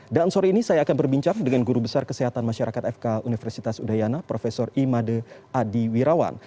dan sore ini saya akan berbincang dengan guru besar kesehatan masyarakat fk universitas udayana prof imade adi wirawan